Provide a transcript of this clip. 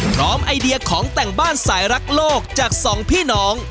ไอเดียของแต่งบ้านสายรักโลกจากสองพี่น้อง